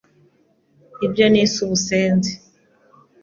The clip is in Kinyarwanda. Ibyo nise ubusenzi